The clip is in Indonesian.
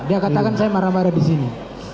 dia katakan saya marah marah disini